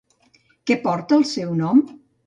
Què porta el seu nom?